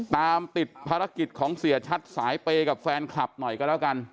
ตามติดภารกิจของเสียชัดสายเปย์กับแฟนคลับหน่อยก็แล้วกัน